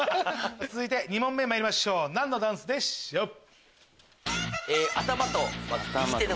続いて２問目まいりましょう何のダンスでしょう？